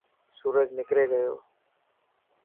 سورج نڪري گيو.